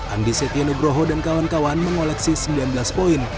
andi setienugroho dan kawan kawan mengoleksi sembilan belas poin